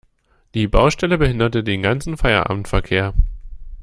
Die Baustelle behinderte den ganzen Feierabendverkehr.